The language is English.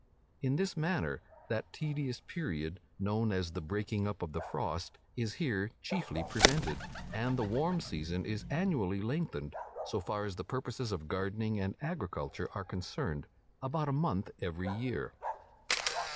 In this manner that tedious period, known as the breaking up of the frost, is here chiefly prevented; and the warm season is annually lengthened, so far as the purposes of gardening and agriculture are concerned, about a month every year.